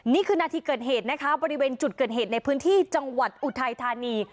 นี่คือนาทีเกิดเหตุนะคะบริเวณจุดเกิดเหตุในพื้นที่จังหวัดอุทัยธานี